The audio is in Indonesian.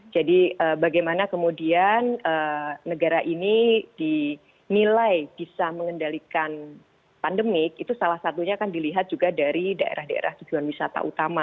jadi bagaimana kemudian negara ini dinilai bisa mengendalikan pandemik itu salah satunya kan dilihat juga dari daerah daerah tujuan wisata utama